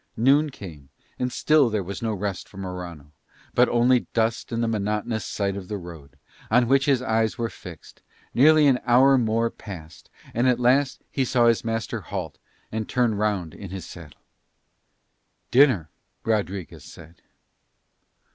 Noon came, and still there was no rest for Morano, but only dust and the monotonous sight of the road, on which his eyes were fixed: nearly an hour more passed, and at last he saw his master halt and turn round in his saddle. "Dinner," Rodriguez said.